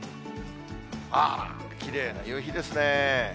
あら、きれいな夕日ですね。